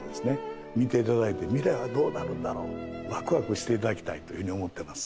見て頂いて未来はどうなるんだろうワクワクして頂きたいというふうに思ってます。